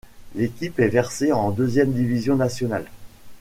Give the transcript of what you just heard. L’équipe est versée en deuxième division nationale.